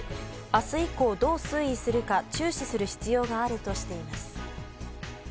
明日以降どう推移するか注視する必要があるとしています。